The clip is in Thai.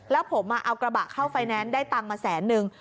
แล้วผมเอากระบะเข้าไฟแนนซ์ได้ตังค์มาแสนนึง